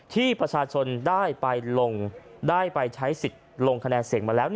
ที่ประชาชนได้ไปลงได้ไปใช้สิทธิ์ลงคะแนนเสียงมาแล้ว